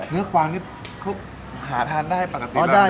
กวางนี่เขาหาทานได้ปกติ